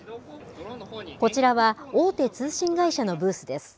こちらは大手通信会社のブースです。